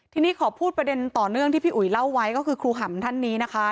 ทีนี้ขอพูดประเด็นต่อเนื่องที่พี่อุ๋ยเล่าไว้ก็คือครูหำท่านนี้นะคะ